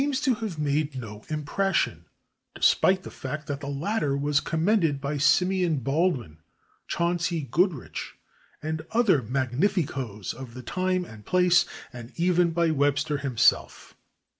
seem to have made no impression, despite the fact that the latter was commended by Simeon Baldwin, Chauncey Goodrich and other magnificoes of the time and place, and even by Webster himself.